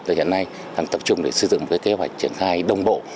và hiện nay tập trung để xây dựng một kế hoạch triển khai đồng bộ